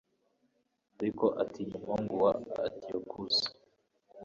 ariko atinya umuhungu wa antiyokusi